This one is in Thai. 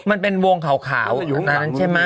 มันเป็นวงขาวนั้นใช่มั้ย